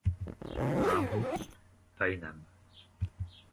Pas un bruit, pas une âme.